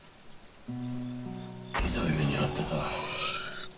ひどい目に遭ってた。